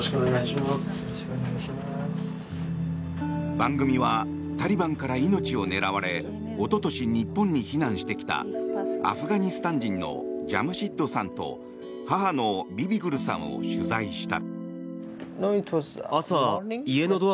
番組はタリバンから命を狙われ一昨年、日本に避難してきたアフガニスタン人のジャムシッドさんと母のビビグルさんを取材した。